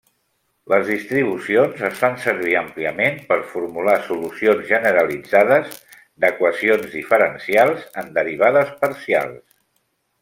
Les distribucions es fan servir àmpliament per formular solucions generalitzades d'equacions diferencials en derivades parcials.